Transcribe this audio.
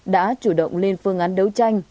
đã chủ động lên phương án đấu tranh